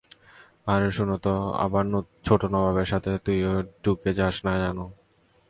আরে শুন তো, আবার ছোট নবাবের সাথে তুইও ডুকে যাস না যেন!